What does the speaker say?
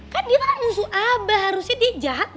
kan dia kan musuh abah harusnya dia jahat